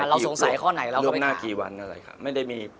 เราสงสัยข้อไหนก็ไปเลย